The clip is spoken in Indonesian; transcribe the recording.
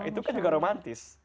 itu kan juga romantis